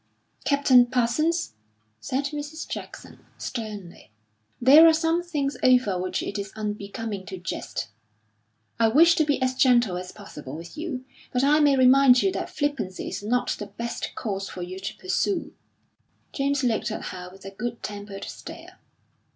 "Captain Parsons," said Mrs. Jackson, sternly, "there are some things over which it is unbecoming to jest. I wish to be as gentle as possible with you, but I may remind you that flippancy is not the best course for you to pursue." James looked at her with a good tempered stare.